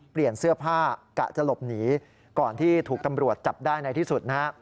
เปลี่ยนเสื้อผ้ากะจะหลบหนีก่อนที่ถูกตำรวจจับได้ในที่สุดนะฮะ